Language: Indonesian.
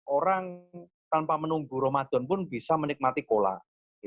orang tanpa menunggu ramadan pun bisa menikmati kolak